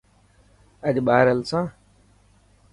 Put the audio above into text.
اڄ ٻاهر هلسان؟